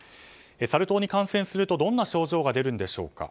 サル痘に感染するとどんな症状が出るんでしょうか。